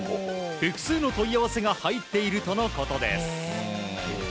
複数の問い合わせが入っているとのことです。